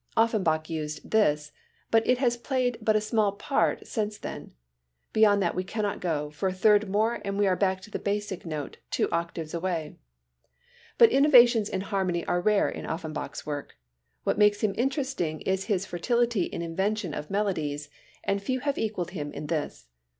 Offenbach used this, but it has played but a small part since then. Beyond that we cannot go, for a third more and we are back to the basic note, two octaves away. But innovations in harmony are rare in Offenbach's work. What makes him interesting is his fertility in invention of melodies and few have equaled him in this.